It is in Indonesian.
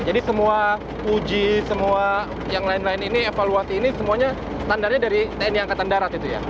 jadi semua uji semua yang lain lain ini evaluasi ini semuanya standarnya dari tni angkatan darat itu ya